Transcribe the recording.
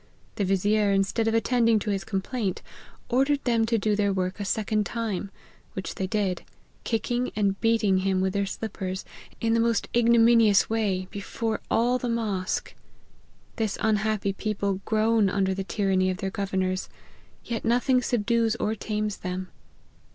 The vizier, instead of attending to his complaint, ordered them to do their work a second time j which they did, kicking and beating him with their slippers, in the most ignominious way, before all the mosque. This unfiappy people groan under the tyranny of their governors ; yet nothing subdues or tames them.